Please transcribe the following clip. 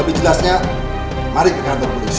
lebih jelasnya mari ke kantor polisi